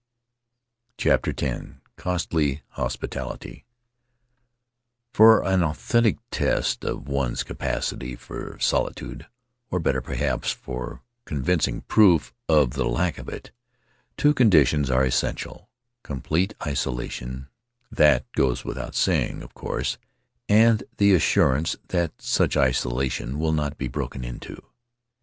CHAPTER X Costly Hospitality OR an authentic test of one's capacity for solitude — or better, perhaps, for con vincing proof of the lack of it — two conditions are essential: complete iso lation — that goes without saying, of course; and the assurance that such isolation will not be broken into.